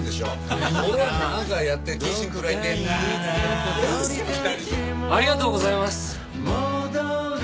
ありがとうございます。